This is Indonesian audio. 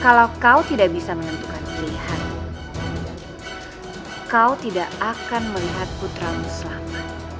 kalau kau tidak bisa menentukan pilihan kau tidak akan melihat putramu selama